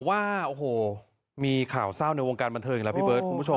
ว่าโอ้โหมีข่าวเศร้าในวงการบันเทิงอีกแล้วพี่เบิร์ดคุณผู้ชม